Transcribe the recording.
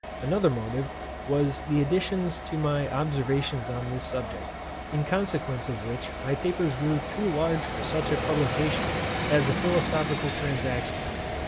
Another motive was the additions to my observations on this subject, in consequence of which my papers grew too large for such a publication as the Philosophical Transactions.